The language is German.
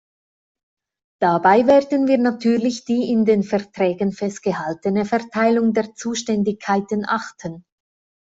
Dabei werden wir natürlich die in den Verträgen festgehaltene Verteilung der Zuständigkeiten achten.